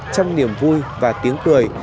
trong niềm vui và tiếng cười